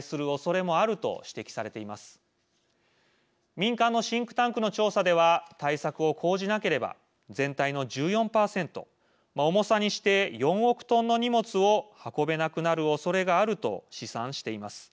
民間のシンクタンクの調査では対策を講じなければ全体の１４％重さにして４億トンの荷物を運べなくなるおそれがあると試算しています。